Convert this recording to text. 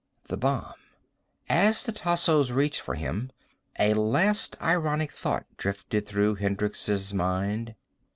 The bomb As the Tassos reached for him, a last ironic thought drifted through Hendricks' mind.